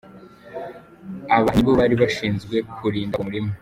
Aba nibo bari bashinzwe kurinda uwo murima.